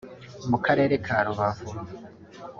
mu karere ka Rubavu